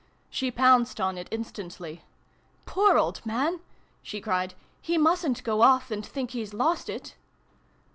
She pounced on it instantly. " Poor old man !" she cried. " He mustn't go off, and think he's lost it